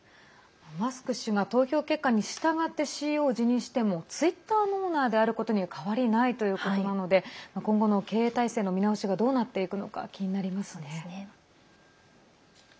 マスク氏が投票結果に従ってＣＥＯを辞任してもツイッターのオーナーであることには変わりないということなので今後の経営体制の見直しがどうなっていくのか気になりますね。